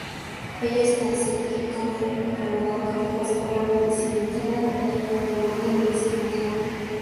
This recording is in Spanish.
Ella está certificada en Enfermedad Cardiovascular, Medicina Interna, Nuclear Cardiología y Medicina Integrativa.